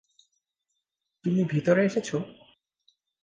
তুমি ভিতরে এসেছো?